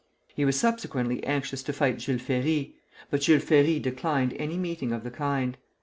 He was subsequently anxious to fight Jules Ferry; but Jules Ferry declined any meeting of the kind.